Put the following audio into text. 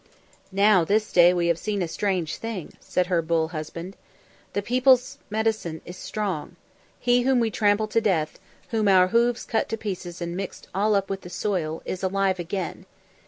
"Now this day we have seen a strange thing," said her bull husband. "The people's medicine is strong. He whom we trampled to death, whom our hoofs cut to pieces and mixed all up with the soil, is alive again.